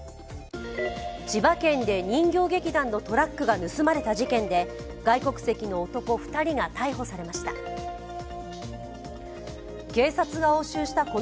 千葉県で人形劇団のトラックが盗まれた事件で外国籍の男２人が逮捕されました。